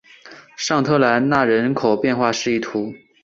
尚特兰讷人口变化图示